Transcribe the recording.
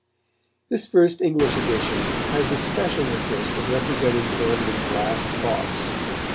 This first English edition has the special interest of representing Camden's last thoughts.